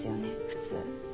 普通。